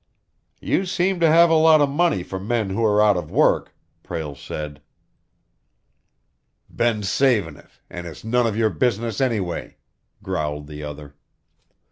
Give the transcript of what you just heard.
"You seem to have a lot of money for men who are out of work," Prale said. "Been savin' it, and it's none of your business anyway," growled the other.